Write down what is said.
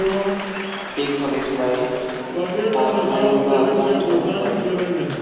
এই খনিজ প্রায়ই পরফাইরোব্লাস্ট গঠন করে।